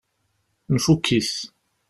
Nfukk-it.